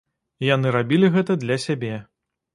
Яны рабілі гэта для сябе.